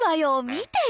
見てよ